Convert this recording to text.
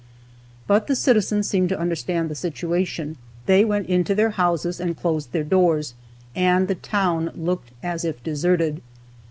But the citizens seemed to understand the situation. They went into their houses, and closed their doors, and the town looked as if deserted.